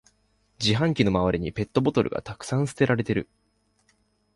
自販機の周りにペットボトルがたくさん捨てられてる